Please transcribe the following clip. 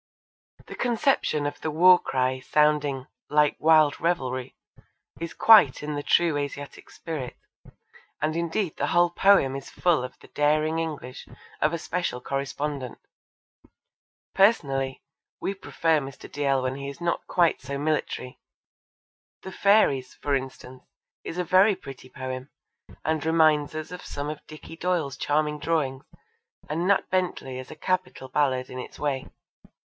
The conception of the war cry sounding 'like wild revelrie' is quite in the true Asiatic spirit, and indeed the whole poem is full of the daring English of a special correspondent. Personally, we prefer Mr. Dalziel when he is not quite so military. The Fairies, for instance, is a very pretty poem, and reminds us of some of Dicky Doyle's charming drawings, and Nat Bentley is a capital ballad in its way.